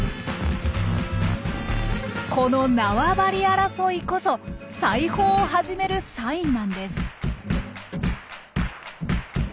この縄張り争いこそ裁縫を始めるサインなんです。